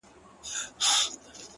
o زما خبرو ته لا نوري چیغي وکړه،